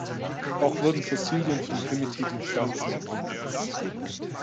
Auch wurden Fossilien von primitiven Pflanzen gefunden.